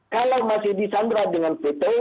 kalau masih disandar dengan fitur